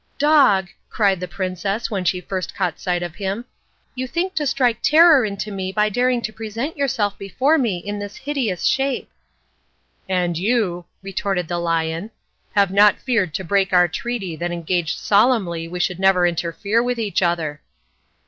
"Dog," cried the princess when she first caught sight of him, "you think to strike terror into me by daring to present yourself before me in this hideous shape." "And you," retorted the lion, "have not feared to break our treaty that engaged solemnly we should never interfere with each other."